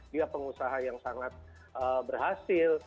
dia pengusaha yang sangat berhasil